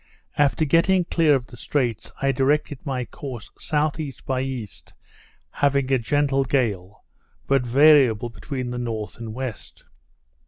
After getting clear of the straits, I directed my course S.E. by E., having a gentle gale, but variable between the north and west.